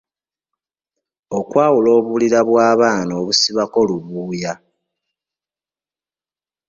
Okwawula obulira bw’abaana obusibako lubuuya.